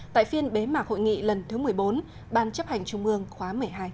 tại phiên bế mạc hội nghị lần thứ một mươi bốn ban chấp hành trung ương khóa một mươi hai